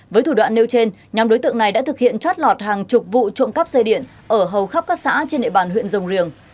với thủ đoạn nêu trên nhóm đối tượng này đã thực hiện trót lọt hàng chục vụ trộm cắp dây điện ở hầu khắp các xã trên địa bàn huyện rồng riềng